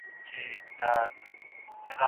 شیطان په یوازې کس زور لري.